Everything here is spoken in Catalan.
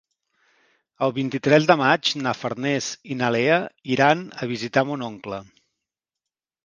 El vint-i-tres de maig na Farners i na Lea iran a visitar mon oncle.